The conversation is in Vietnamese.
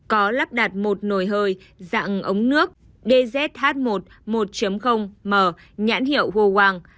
có lắp đặt một nồi hơi dạng ống nước dzh một một m nhãn hiệu hô quang